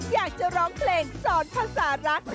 อยากจะร้องเพลงสอนภาษารัก